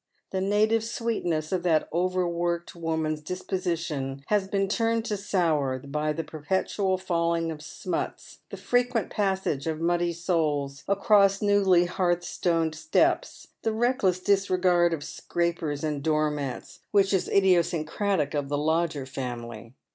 The native sweetness of that overworked woman's disposition has been turned to sour by the perpetual falling of smuts, the fi equent passage of muddy soles across newly hearthstoned steps, the reckless disregard of scrapers and door mats, which is idiosyn cratic of the lodger family.